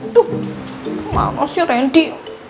aduh kemana sih ren di